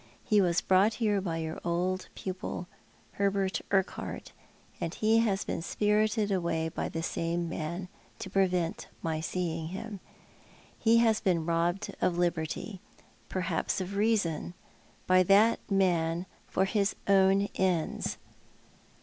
He was brought here by your old pupil, Hubert Urquhart, and he has been spirited away by the same man, to prevent my seeing him. He has been robbed of liberty — per haps of reason — by that man, for his own end«."